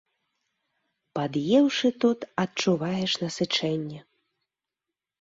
Пад'еўшы тут, адчуваеш насычэнне.